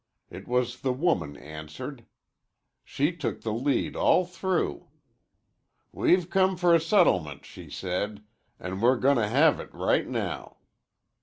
It was the woman answered. She took the lead all through. 'We've come for a settlement,' she said. 'An' we're goin' to have it right now.'